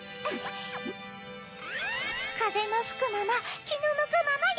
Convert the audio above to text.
かぜのふくままきのむくままに。